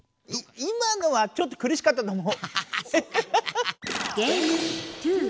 今のはちょっとくるしかったと思う。